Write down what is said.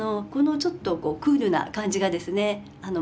このちょっとクールな感じがですね